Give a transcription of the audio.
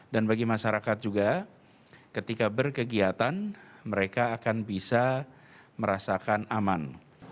dan bagi masyarakat juga ketika berkegiatan mereka akan bisa merasakan aman